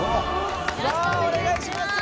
さあお願いします。